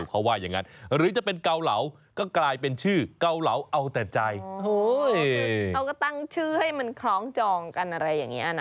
โอเคเอาก็ตั้งชื่อให้มันคล้องจองกันอะไรอย่างนี้อ่ะนะ